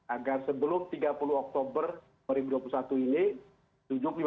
agar sebelum tiga puluh oktober dua ribu dua puluh satu ini